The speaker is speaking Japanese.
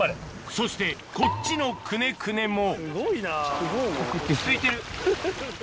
そしてこっちのクネクネもすごいな。